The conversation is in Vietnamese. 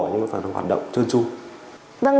nhưng còn phải hoạt động chôn chung